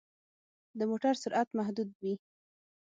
د موټر سرعت محدود وي.